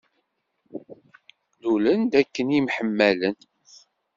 Lulen-d akken ad myeḥmalen.